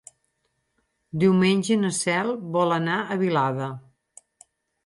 Diumenge na Cel vol anar a Vilada.